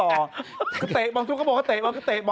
ก็เตะบอลคุณก็บอกเขาเตะบอลก็เตะบอลไป